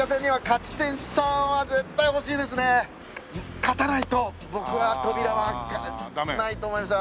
勝たないと僕は扉は開かないと思います。